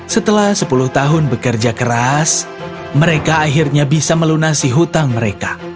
setelah sepuluh tahun bekerja keras mereka akhirnya bisa melunasi hutang mereka